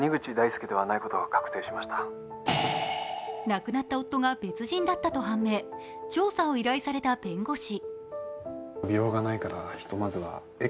亡くなった夫が別人だったと判明、調査を依頼された弁護士。